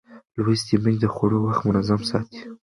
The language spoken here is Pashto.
لوستې میندې د خوړو وخت منظم ساتي.